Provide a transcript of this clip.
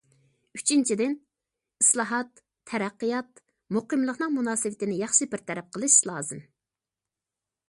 ئۈچىنچىدىن، ئىسلاھات، تەرەققىيات، مۇقىملىقنىڭ مۇناسىۋىتىنى ياخشى بىر تەرەپ قىلىش لازىم.